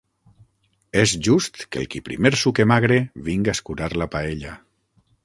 És just que el qui primer suque magre, vinga a escurar la paella.